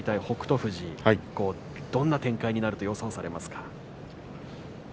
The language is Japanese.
北勝富士、どんな展開になると予想されますか？